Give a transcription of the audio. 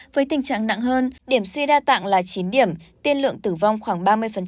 với tình trạng nặng hơn điểm suy đa tạng là chín điểm tiên lượng tử vong khoảng ba mươi